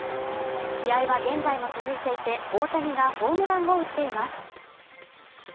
試合は現在も続いていて、大谷がホームランを打っています。